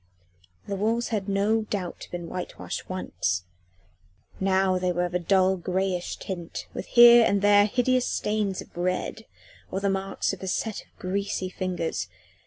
The walls had no doubt been whitewashed once, now they were of a dull greyish tint, with here and there hideous stains of red or the marks of a set of greasy fingers.